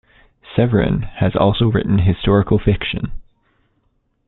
Severin has also written historical fiction.